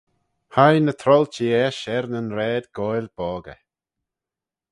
Hie ny troailtee eisht er nyn raad goaill boggey.